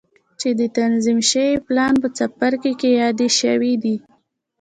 چې د تنظيم شوي پلان په څپرکي کې يادې شوې دي.